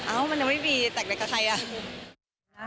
อ้าวมันจะไม่มีแตกใดกับใครอ่ะ